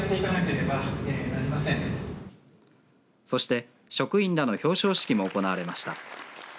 そして、職員らの表彰式も行われました。